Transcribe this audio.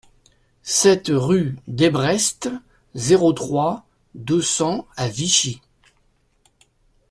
sept rue Desbrest, zéro trois, deux cents à Vichy